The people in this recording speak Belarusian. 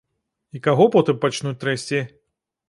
І каго потым пачнуць трэсці?